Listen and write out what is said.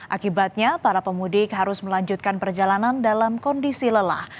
akibatnya para pemudik harus melanjutkan perjalanan dalam kondisi lelah